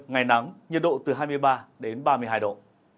ngày nắng nhiệt độ từ hai mươi ba đến ba mươi hai độ